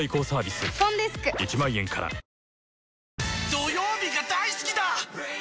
土曜日が大好きだー！